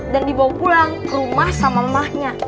dan dibawa pulang rumah sama emahnya